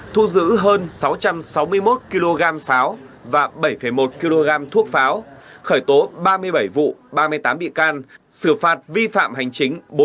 thu giữ hơn sáu trăm sáu mươi một kg pháo và bảy một kg thuốc pháo khởi tố ba mươi bảy vụ ba mươi tám bị can xử phạt vi phạm hành chính